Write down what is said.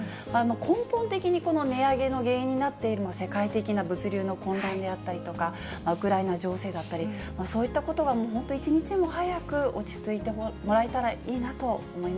根本的にこの値上げの原因になっている、世界的な物流の混乱であったり、ウクライナ情勢だったり、そういったことが本当に、一日も早く落ち着いてもらえたらいいなと思い